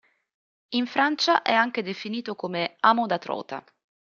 In Francia è anche definito come "amo da trota".